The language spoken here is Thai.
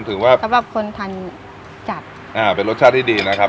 สำหรับคนทานจัดอ่าเป็นรสชาติที่ดีนะครับ